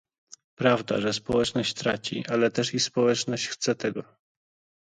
"Prawda, że społeczność straci, ale też i społeczność chce tego."